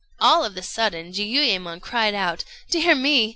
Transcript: All of a sudden, Jiuyémon cried out "Dear me!